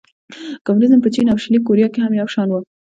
کمونېزم په چین او شلي کوریا کې هم یو شان و.